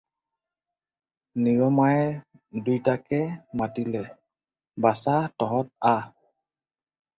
নিৰমায়ে দুয়োটাকে মাতিলে- "বাছা তহঁত আহ।"